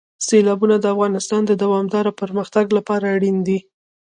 سیلابونه د افغانستان د دوامداره پرمختګ لپاره اړین دي.